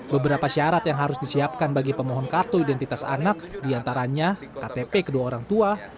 beberapa syarat yang harus disiapkan bagi pemohon kartu identitas anak diantaranya ktp kedua orang tua